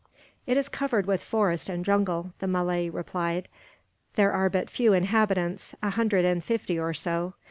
"It is covered with forest and jungle," the Malay replied. "There are but few inhabitants, a hundred and fifty or so.